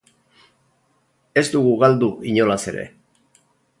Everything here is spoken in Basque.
Ez dugu galdu, inolaz ere.